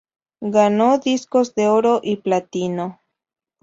Ganó Discos de Oro y Platino.